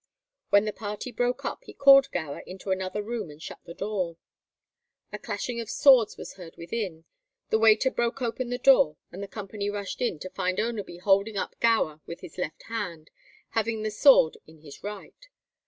When the party broke up he called Gower into another room and shut the door. A clashing of swords was heard within, the waiter broke open the door, and the company rushed in to find Oneby holding up Gower with his left hand, having the sword in his right.